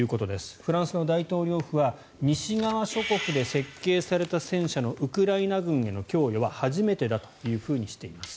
フランスの大統領府は西側諸国で設計された戦車のウクライナ軍への供与は初めてだというふうにしています。